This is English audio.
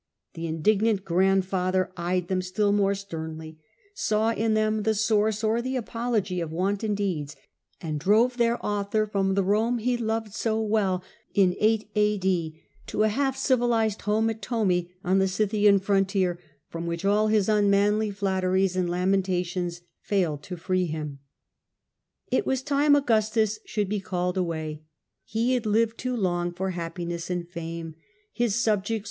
The indignant grandfather eyed them still more sternly, saw in them the source or the apology of wanton deeds, and drove their author from the Rome he loved so well to a half civilised home at Tomi, on the Scythian frontier, from which all his unmanly flatteries and lamentations failed to free him. It was time Augustus should be called away ; he had lived too long for happiness and fame, his subjects Banished to I'onai. A.D. 8. — A..D. 14. /lugicstiis.